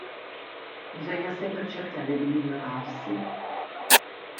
Bisogna sempre cercare di migliorarsi.